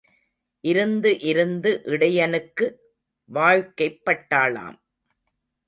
இருந்து இருந்து இடையனுக்கு வாழ்க்கைப்பட்டாளாம்.